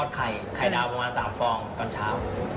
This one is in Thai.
ไข่ดาวประมาณ๓ฟองตอนเช้า